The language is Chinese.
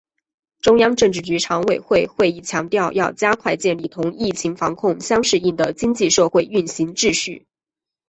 中央政治局常委会会议强调要加快建立同疫情防控相适应的经济社会运行秩序